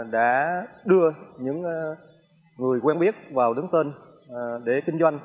đã đưa những người quen biết vào đứng tên để kinh doanh